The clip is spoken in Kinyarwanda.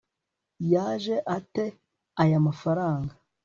yaje ate aya mafaranga